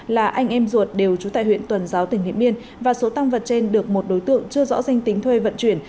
là anh em ruột đều trú tại huyện tuần giáo tỉnh điện biên và số tăng vật trên được một đối tượng chưa rõ danh tính thuê vận chuyển